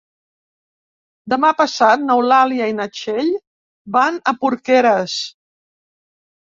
Demà passat n'Eulàlia i na Txell van a Porqueres.